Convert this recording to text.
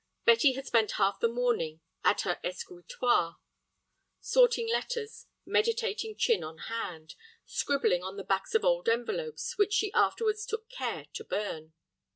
Betty had spent half the morning at her escritoire sorting letters, meditating chin on hand, scribbling on the backs of old envelopes, which she afterwards took care to burn.